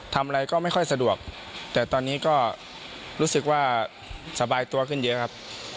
ทำอะไรก็ไม่ค่อยสะดวกแต่ตอนนี้ก็รู้สึกว่าสบายตัวขึ้นเยอะครับ